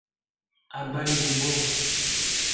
A bas les Bourbons!